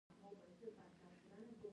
د خلکو موټران به يې په زوره بيول.